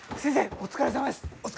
お疲れさまです。